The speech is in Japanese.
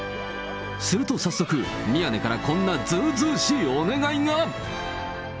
すると早速、宮根から、こんな図々しいお願いが。